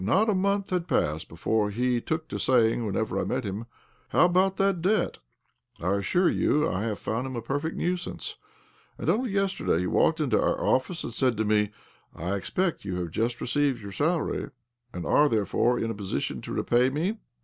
Not a month had passed before he took to saying, whenever he met OBLOMOV 51 me :' How about that debt ?' I assure you I found hifti a perfect nuisance ! And only yesterday he walked into our office, and said to me :' I expect you have just received your salary, and are therefore in a position to repay me